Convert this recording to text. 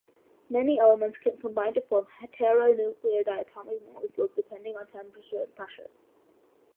Many elements can combine to form heteronuclear diatomic molecules, depending on temperature and pressure.